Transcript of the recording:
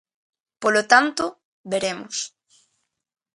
Polo tanto, veremos.